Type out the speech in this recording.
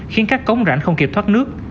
khiến các cống rãnh không kịp thoát nước